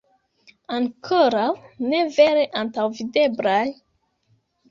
Ankoraŭ ne vere antaŭvideblaj...